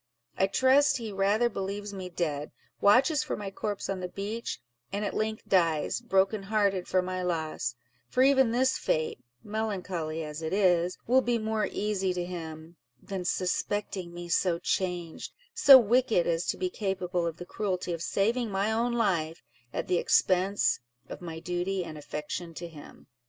I trust he rather believes me dead, watches for my corpse on the beach, and at length dies, broken hearted for my loss; for even this fate (melancholy as it is) will be more easy to him, than suspecting me so changed—so wicked as to be capable of the cruelty of saving my own life, at the expense of my duty and affection to him."